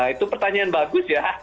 itu pertanyaan bagus ya